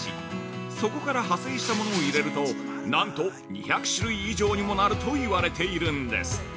そこから派生したものを入れるとなんと２００種類以上にもなると言われているんです。